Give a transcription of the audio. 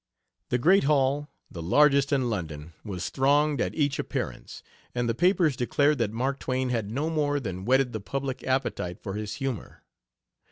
The great hall, the largest in London, was thronged at each appearance, and the papers declared that Mark Twain had no more than "whetted the public appetite" for his humor.